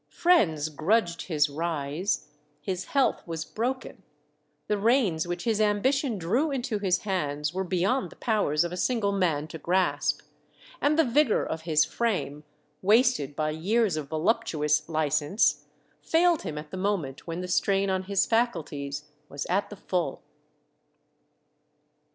Friends grudged his rise; his health was broken; the reins which his ambition drew into his hands were beyond the powers of a single man to grasp; and the vigour of his frame, wasted by years of voluptuous licence, failed him at the moment when the strain on his faculties was at the full."